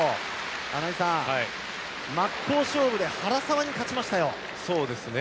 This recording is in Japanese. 穴井さん、真っ向勝負で原沢に勝ちましたよ。